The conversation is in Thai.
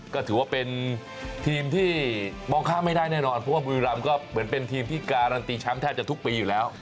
ก็ถือว่าเป็นทีมที่มองข้ามไม่ได้แน่นอนเพราะว่าบุรีรำก็เหมือนเป็นทีมที่การันตีแชมป์แทบจะทุกปีอยู่แล้ว